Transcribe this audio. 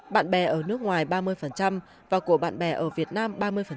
bạn bè ở nước ngoài ba mươi và của bạn bè ở việt nam ba mươi